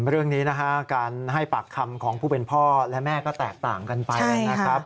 เรื่องนี้นะฮะการให้ปากคำของผู้เป็นพ่อและแม่ก็แตกต่างกันไปนะครับ